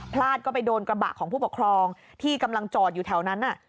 พลาดก็ไปโดนกระบะของผู้ปกครองที่กำลังจอดอยู่แถวนั้น